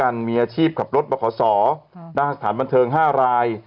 สี่รายด้วยกันมีอาชีพขับรถประขอสอหน้าสถานบันเทิงห้าราย